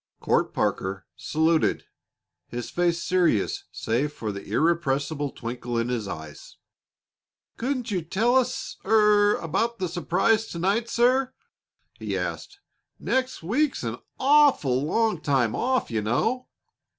Court Parker saluted, his face serious save for an irrepressible twinkle in his eyes. "Couldn't you er tell us about the surprise to night, sir?" he asked. "Next week's an awful long time off, you know."